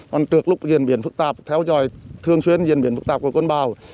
còn trước lúc diễn biến phức tạp theo dõi thường xuyên diễn biến phức tạp của con bào